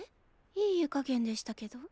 いい湯加減でしたけど。